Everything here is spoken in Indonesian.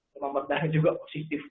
memang benar juga positif